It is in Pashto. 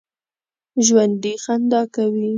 ژوندي خندا کوي